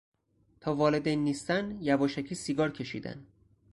تا والدین نیستند یواشکی سیگار کشیدن